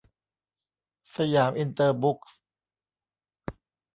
สยามอินเตอร์บุ๊คส์